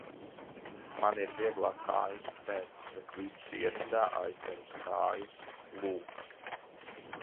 Man ir vieglāk kājas spert, bet vidus ierindā aizķeras kājas, klūp.